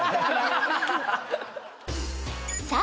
さあ